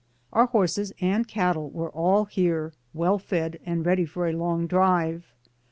Our horses and cattle were all here, well fed and ready for a long drive.